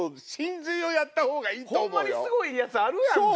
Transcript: ホンマにすごいやつあるやんか。